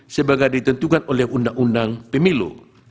sebagai ditentukan oleh undang undang pemilu